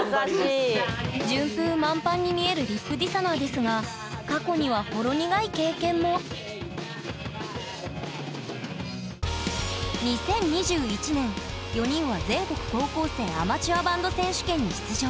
順風満帆に見えるＲＩＰＤＩＳＨＯＮＯＲですが過去にはほろ苦い経験も２０２１年４人は「全国高校生アマチュアバンド選手権」に出場。